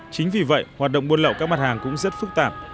chính vì vậy hoạt động buôn lậu các mặt hàng cũng rất phức tạp